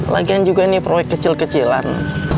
lagian juga ini proyek kecil kecilan